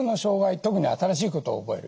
特に新しいことを覚える